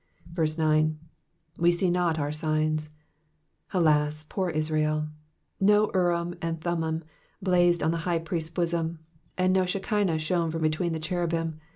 9. ^^ We see not our iigns.'*^ Alas, poor Israel! No Urim and Thummim blazed on the High Priest's bosom, and no Shekinah shone from between the cherubim.